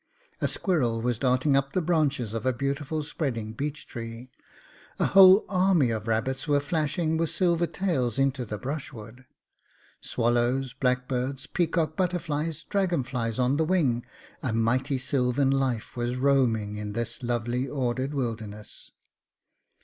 A squirrel was darting up the branches of a beautiful spreading beech tree, a whole army of rabbits were flashing with silver tails into the brushwood; swallows, blackbirds, peacock butterflies, dragonflies on the wing, a mighty sylvan life was roaming in this lovely orderly wilderness.